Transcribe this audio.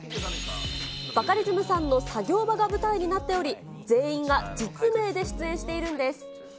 バカリズムさんの作業場が舞台になっており、全員が実名で出演しているんです。